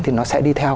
thì nó sẽ đi theo